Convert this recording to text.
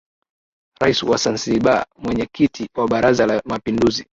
Rais wa Zanzibar na Mwenyekiti wa Baraza la Mapinduzi